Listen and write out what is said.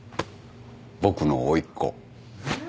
僕のおいっ子。